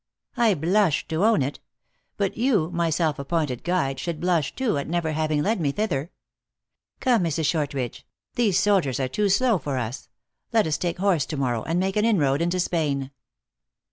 " I blush to own it. But you, my self appointed guide, should blush, too, at never having led me thither. Come, Mrs. Shortridge : these soldiers are too slow for us ; let us take horse to morrow, and make an inroad into Spain."